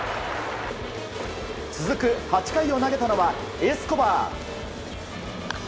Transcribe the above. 続く８回を投げたのはエスコバー。